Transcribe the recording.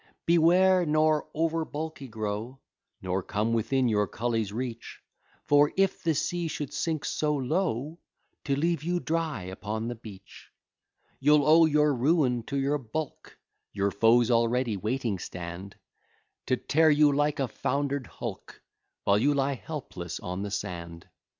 Beware, nor overbulky grow, Nor come within your cully's reach; For, if the sea should sink so low To leave you dry upon the beach, You'll owe your ruin to your bulk: Your foes already waiting stand, To tear you like a founder'd hulk, While you lie helpless on the sand.